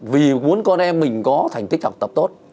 vì muốn con em mình có thành tích học tập tốt